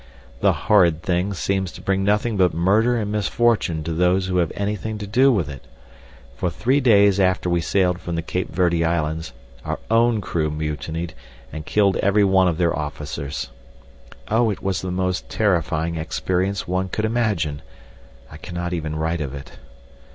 The horrid thing seems to bring nothing but murder and misfortune to those who have anything to do with it, for three days after we sailed from the Cape Verde Islands our own crew mutinied and killed every one of their officers. Oh, it was the most terrifying experience one could imagine—I cannot even write of it.